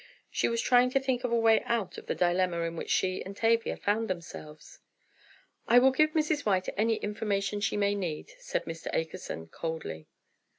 She was trying to think of a way out of the dilemma in which she and Tavia found themselves. "I will give Mrs. White any information she may need," said Mr. Akerson, coldly.